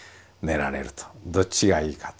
どっちがいいかと。